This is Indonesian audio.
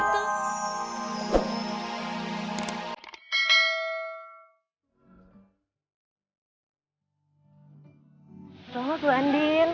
selamat luan din